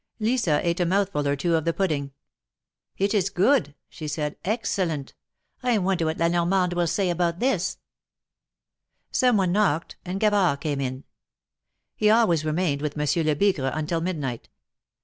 Lisa eat a mouthful or two of the pudding. '^It is good," she said, '^excellent! I wonder what La Normande will say about this ?" THE MAEKETS OF PARIS. 121 Some one knocked, and Gavard came in. He always remained with Monsieur Lebigre until midnight.